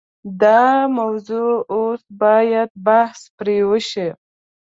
دا موضوع اوس باید بحث پرې وشي.